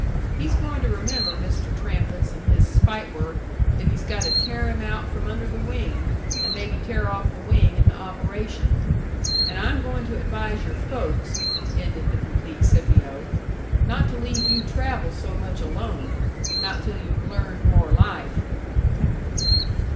He's going to remember Mr. Trampas and his spite work if he's got to tear him out from under the wing, and maybe tear off the wing in the operation. And I am goin' to advise your folks," ended the complete Scipio, "not to leave you travel so much alone not till you've learned more life."